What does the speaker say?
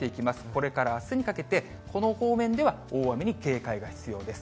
これからあすにかけて、この方面では大雨に警戒が必要です。